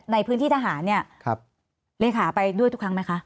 ในพื้นที่ทหารเนี่ยเลขาไปด้วยทุกครั้งไหมคะ